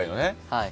はい。